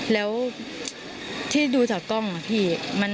แล้วที่ดูจากกล้องพี่